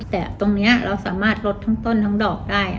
แต่ตรงนี้เราสามารถลดทั้งต้นทั้งดอกได้